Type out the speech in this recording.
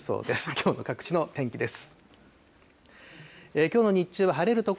きょうの各地の天気です。